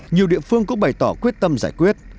nhiều địa phương cũng bày tỏ quyết tâm giải quyết